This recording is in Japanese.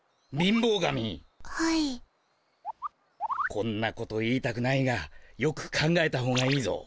こんなこと言いたくないがよく考えたほうがいいぞ。